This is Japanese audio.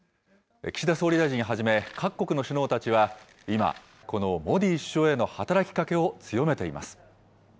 岸田総理大臣はじめ、各国の首脳たちは今、このモディ首相への働きかけを強めています。